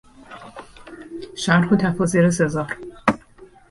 شرح و تفاسیر سزار